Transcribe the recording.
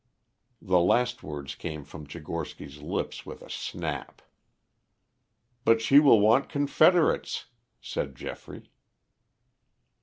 The last words came from Tchigorsky's lips with a snap. "But she will want confederates," said Geoffrey.